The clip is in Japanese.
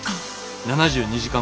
７２時間。